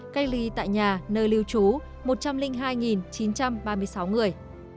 cách ly tại nhà nơi lưu trú một trăm linh hai chín trăm ba mươi sáu người